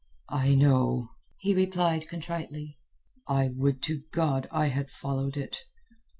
"I know," he replied contritely. "I would to God I had followed it."